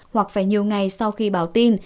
hoặc phải nhiều ngày sau khi báo tin